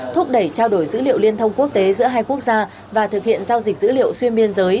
thúc đẩy trao đổi dữ liệu liên thông quốc tế giữa hai quốc gia và thực hiện giao dịch dữ liệu xuyên biên giới